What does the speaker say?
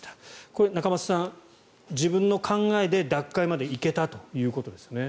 これ仲正さん、自分の考えで脱会まで行けたということですね。